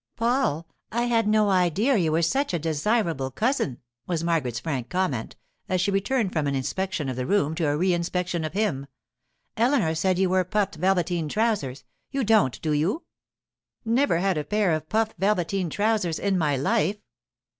'Paul, I had no idea you were such a desirable cousin,' was Margaret's frank comment, as she returned from an inspection of the room to a reinspection of him. 'Eleanor said you wore puffed velveteen trousers. You don't, do you?' 'Never had a pair of puffed velveteen trousers in my life.